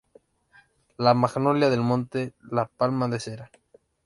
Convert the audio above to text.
La magnolia del monte -La Palma de Cera